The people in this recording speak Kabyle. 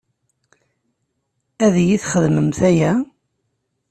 Ad iyi-txedmemt aya?